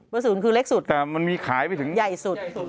ศูนย์คือเล็กสุดแต่มันมีขายไปถึงใหญ่สุด